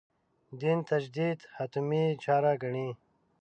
دین تجدید «حتمي» چاره ګڼي.